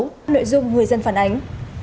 nội dung người dân phản ánh